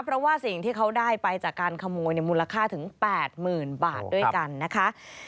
เพราะว่าสิ่งที่เขาได้ไปจากการขโมยมูลค่าถึง๘๐๐๐บาทด้วยกันนะคะ